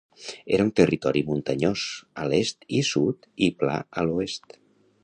Era un territori muntanyós a l'est i sud i pla a l'oest.